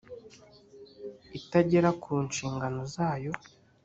itagera ku nshingano zayo